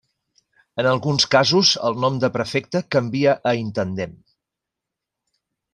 En alguns casos el nom de prefecte canvia a intendent.